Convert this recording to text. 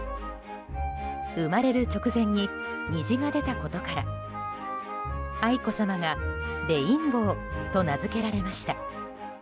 生まれる直前に虹が出たことから愛子さまがレインボーと名付けられました。